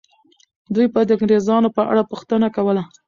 دوی به د انګریزانو په اړه پوښتنه کوله.